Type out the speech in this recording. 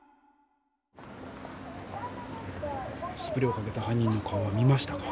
スプレーをかけた犯人の顔は見ましたか？